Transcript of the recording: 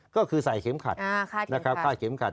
ก็คือใส่เข็มขัดค่าเข็มขัด